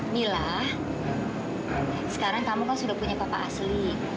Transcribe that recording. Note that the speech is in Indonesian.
mila sekarang kamu kan sudah punya kakak asli